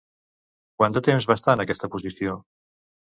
Quant de temps va estar en aquesta posició?